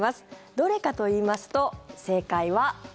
どれかといいますと正解は。